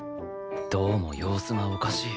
どうも様子がおかしい